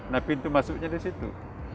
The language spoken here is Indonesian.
nah pintu masuknya di situ